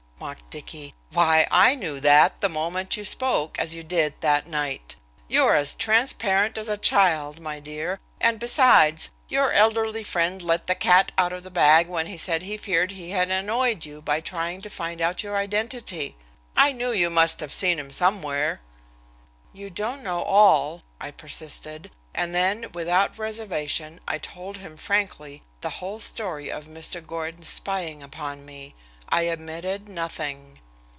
mocked Dicky. "Why, I knew that the moment you spoke as you did that night! You're as transparent as a child, my dear, and besides, your elderly friend let the cat out of the bag when he said he feared he had annoyed you by trying to find out your identity. I knew you must have seen him somewhere." "You don't know all," I persisted, and then without reservation I told him frankly the whole story of Mr. Gordon's spying upon me. I omitted nothing.